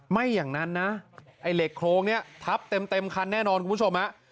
ไม่อย่างนั้นนะไอ้เหล็กโครงนี้ทับเต็มคันแน่นอนคุณผู้ชมฮะ